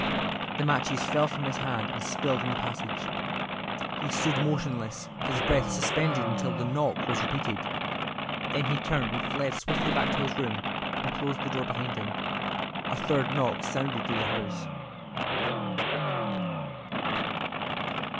The matches fell from his hand and spilled in the passage. He stood motionless, his breath suspended until the knock was repeated. Then he turned and fled swiftly back to his room, and closed the door behind him. A third knock sounded through the house.